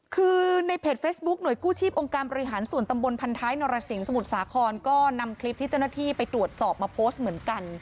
คือในเพจเฟซบุ๊คหน่วยกู้ชีพองค์การบริหารส่วนตำบลพันท้ายนรสิงสมุทรสาครก็นำคลิปที่เจ้าหน้าที่ไปตรวจสอบมาโพสต์เหมือนกัน